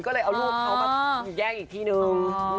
ก็เลยเอารูปเขาแบบแยกอีกที่หนึ่ง